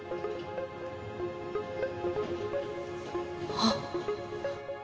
あっ！